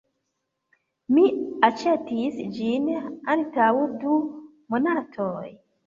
Mi aĉetis ĝin antaŭ du monatoj.